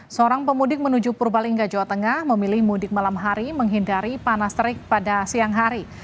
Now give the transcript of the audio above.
seorang pemudik menuju purbalingga jawa tengah memilih mudik malam hari menghindari panas terik pada siang hari